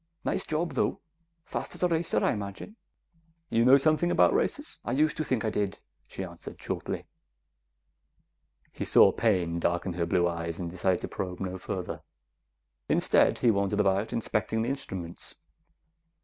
Nice job, though. Fast as a racer, I imagine." "You know something about racers?" "I used to think I did," she answered, shortly. He saw pain darken her blue eyes and decided to probe no further. Instead, he wandered about, inspecting the instruments.